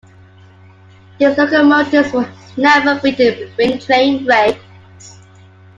These locomotives were never fitted with train brakes.